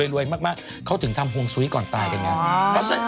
รวยมากเขาถึงทำฮวงซุ้ยก่อนตายกันไง